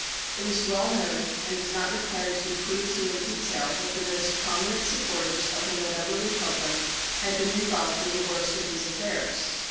It is well known and does not require to be proved here in detail that the most prominent supporters of the November Republic' had been involved in the worst of these affairs.